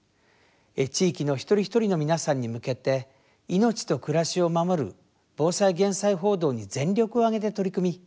地域の一人一人の皆さんに向けて命と暮らしを守る防災・減災報道に全力を挙げて取り組み